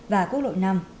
và quốc lộ năm